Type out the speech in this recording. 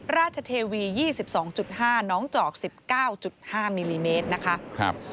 ราชเทวี๒๒๕น้องจอก๑๙๕มิลลิเมตรนะคะ